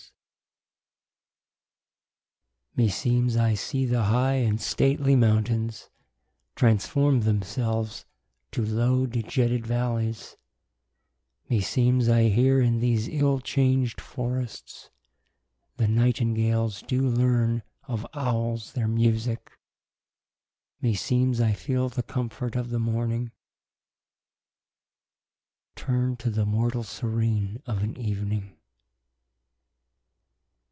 Strephon. Me seemes I see the high and stately mountaines , Trans for me themselves to lowe de jetted v allies : Me seemes I heare in these ill changed forrests , The Nightingales doo learne of Owles their musique : Me seemes I feele the comfort of the morning Turnde to the mortall serene of an evening.